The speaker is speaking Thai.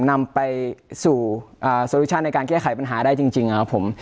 นำไปสู่โซลิชั่นในการแก้ไขปัญหาได้จริงนะครับผม